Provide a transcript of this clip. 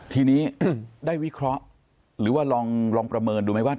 ทีนี้ได้วิเคราะห์หรือว่าลองประเมินดูไหมว่า